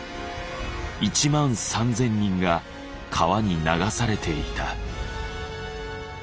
１万３，０００人が川に流されていた。